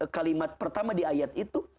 kalimat pertama di ayat itu